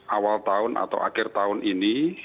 awal tahun atau akhir tahun ini